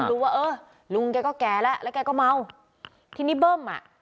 รู้ว่าเออลุงแกก็แก่แล้วแล้วแกก็เมาทีนี้เบิ้มอ่ะ